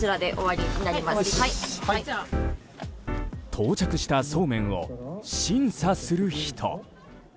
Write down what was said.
到着したそうめんを審査する人。